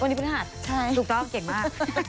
วันนี้พฤหัสถูกต้องเก่งมาก